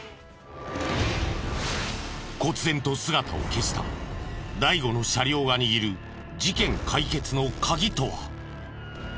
こつぜんと姿を消した第５の車両が握る事件解決のカギとは？